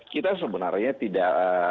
kita sebenarnya tidak